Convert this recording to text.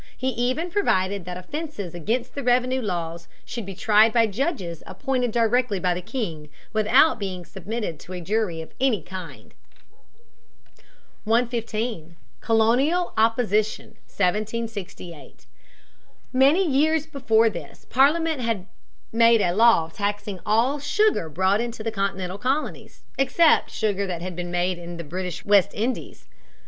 He even provided that offences against the revenue laws should be tried by judges appointed directly by the king, without being submitted to a jury of any kind. [Sidenote: The Sugar Act.] [Sidenote: Enforcement of the Navigation Acts.] 115. Colonial Opposition, 1768. Many years before this, Parliament had made a law taxing all sugar brought into the continental colonies, except sugar that had been made in the British West Indies.